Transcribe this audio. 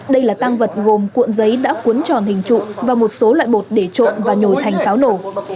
đây là tang vật gồm cuộn giấy đã cuốn tròn hình trụ và một số loại bột để trộm và nhồi thành pháo nổ